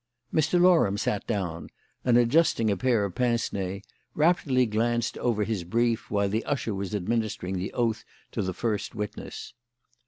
Mr. Loram sat down, and adjusting a pair of pince nez, rapidly glanced over his brief while the usher was administering the oath to the first witness.